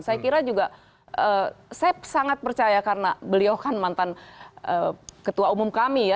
saya kira juga saya sangat percaya karena beliau kan mantan ketua umum kami ya